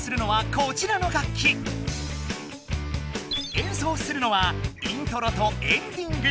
演奏するのはイントロとエンディング。